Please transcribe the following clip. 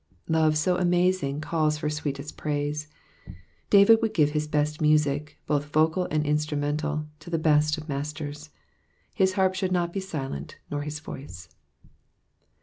''^ Love so amazing calls for sweetest praise. David would give his best music, both vocal and instru mental, to the Best of Masters. His harp should not be silent, nor his voice.